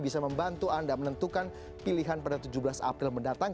bisa membantu anda menentukan pilihan pada tujuh belas april mendatang